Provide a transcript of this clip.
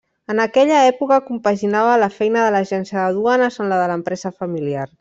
En aquella època, compaginava la feina de l’agència de duanes amb la de l’empresa familiar.